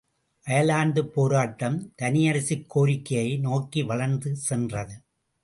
அயர்லாந்துப் போராட்டம் தனியரசுக் கோரிக்கையை நோக்கி வளர்ந்து சென்றது.